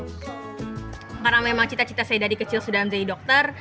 karena memang cita cita saya dari kecil sudah menjadi dokter